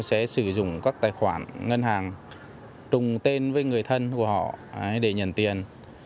sẽ sử dụng các tài khoản ngân hàng trùng tên với người thân của họ để nhận tiền